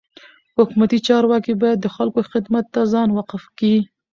حکومتي چارواکي باید د خلکو خدمت ته ځان وقف کي.